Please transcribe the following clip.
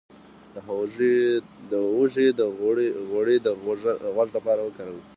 د هوږې غوړي د غوږ لپاره وکاروئ